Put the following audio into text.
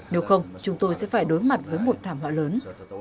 nếu không chúng tôi sẽ phải đối mặt với một thảm họa lớn